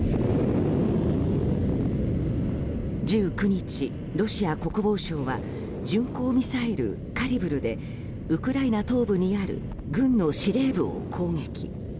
１９日、ロシア国防省は巡航ミサイル、カリブルでウクライナ東部にある軍の司令部を攻撃。